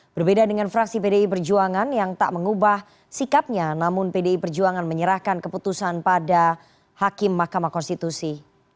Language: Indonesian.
berbeda dengan fraksi pdi perjuangan yang tak mengubah sikapnya namun pdi perjuangan menyerahkan keputusan pada hakim mahkamah konstitusi